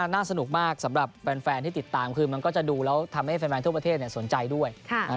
สนุกมากสำหรับแฟนที่ติดตามคือมันก็จะดูแล้วทำให้แฟนทั่วประเทศสนใจด้วย